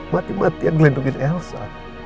mati matian dilindungi elsa